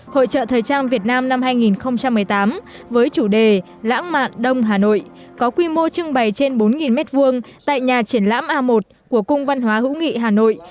hội trợ thời trang việt nam năm hai nghìn một mươi tám với chủ đề lãng mạn đông hà nội có quy mô trưng bày trên bốn m hai tại nhà triển lãm a một của cung văn hóa hữu nghị hà nội